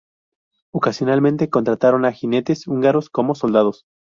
Ocasionalmente contrataron a jinetes húngaros como soldados.